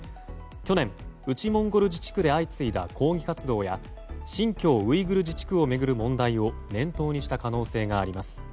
去年、内モンゴル自治区で相次いだ抗議活動や新疆ウイグル自治区を巡る問題を念頭にした可能性があります。